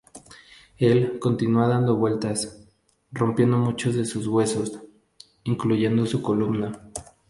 Él continúa dando vueltas, rompiendo muchos de sus huesos, incluyendo su columna.